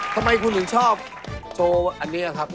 ทำไมคุณถึงชอบโชว์อันนี้ครับ